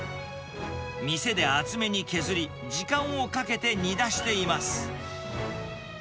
店で厚めに削り、時間をかけて煮出しています。